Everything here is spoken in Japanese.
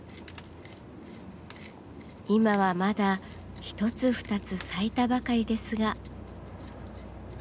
今はまだ一つ二つ咲いたばかりですが。